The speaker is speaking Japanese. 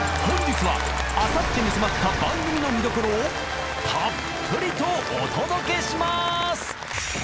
［本日はあさってに迫った番組の見どころをたっぷりとお届けします］